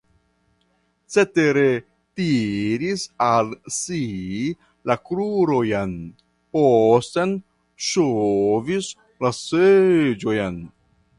Cetere, tiris al si la krurojn, posten ŝovis la seĝon.